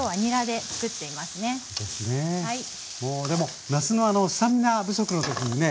でも夏のスタミナ不足の時にね